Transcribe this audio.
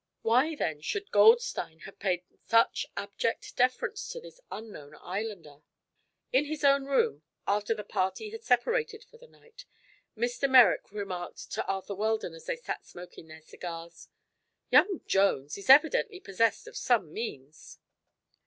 Why, then, should Goldstein have paid such abject deference to this unknown islander? In his own room, after the party had separated for the night, Mr. Merrick remarked to Arthur Weldon as they sat smoking their cigars: "Young Jones is evidently possessed of some means."